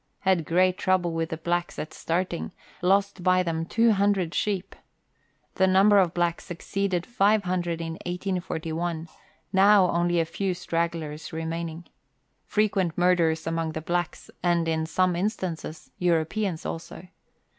Had great trouble with the blacks at starting ; lost by them 200 sheep. The number of blacks exceeded 500 in 1841 now only a few stragglers remaining. Frequent murders among the blacks, and, in some instances, Europeans also.